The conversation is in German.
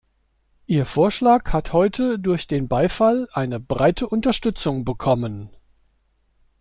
Ihr Vorschlag hat heute durch den Beifall eine breite Unterstützung bekommen.